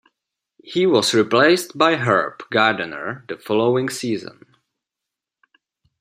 He was replaced by Herb Gardiner the following season.